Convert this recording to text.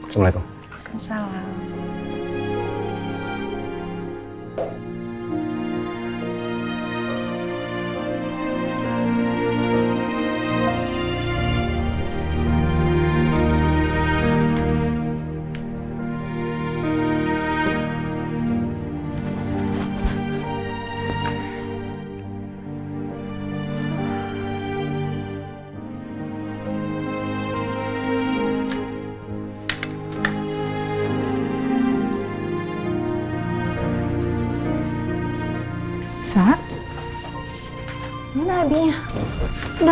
ya nanti saya sampaikan ya